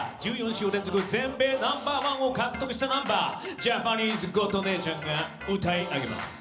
１４週連続全米ナンバー１を獲得したナンバージャパニーズゴッド姉ちゃんが歌い上げます！